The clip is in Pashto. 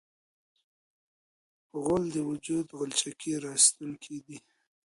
غول د وجود غلچکي راایستونکی دی.